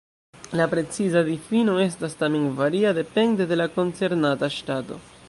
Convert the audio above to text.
La preciza difino estas tamen varia, depende de la koncernata ŝtato.